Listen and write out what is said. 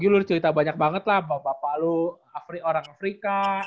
lu cerita banyak banget lah bahwa bapak lu orang afrika